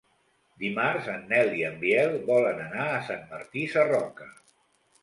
Dimarts en Nel i en Biel volen anar a Sant Martí Sarroca.